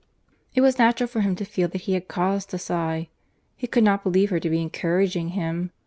It was natural for him to feel that he had cause to sigh. He could not believe her to be encouraging him.